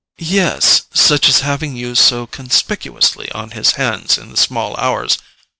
"Yes—such as having you so conspicuously on his hands in the small hours.